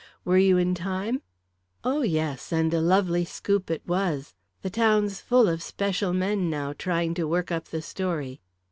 "Were you in time?" "Oh, yes; and a lovely scoop it was. The town's full of special men, now, trying to work up the story."